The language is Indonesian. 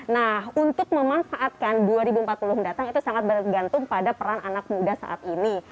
nah untuk memanfaatkan dua ribu empat puluh mendatang itu sangat bergantung pada peran anak muda saat ini